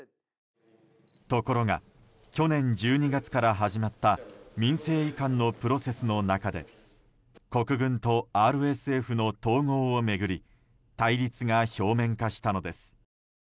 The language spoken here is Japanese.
ところが去年１２月から始まった民政移管のプロセスの中で国軍とＲＳＦの統合を巡り対立が表面化したのです。